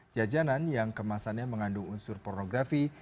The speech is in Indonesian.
jajanan yang kemasannya mengandung unsur pornografi